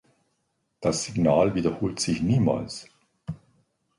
Das Signal wiederholte sich niemals.